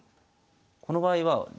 この場合はおお。